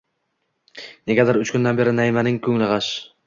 Negadir uch kundan beri Naimaning kungli g`ash